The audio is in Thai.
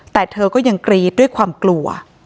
แต่เธอก็ยังกรี๊ดด้วยความกลัว